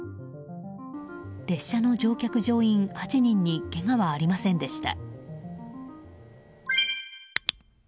列車の乗客・乗員８人にけがはありませんでした。